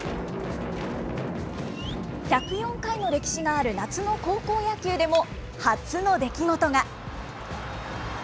１０４回の歴史がある夏の高校野球でも、初の出来事が。